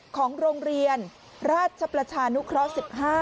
ของโรงเรียนราชประชานุเคราะห์๑๕